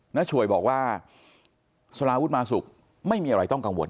หน้าชวยบอกว่าสลาวุทธมาสุกไม่มีอะไรต้องกังวล๙๐๐๐๐๑๐๐๒